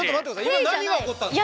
今何が起こったんですか？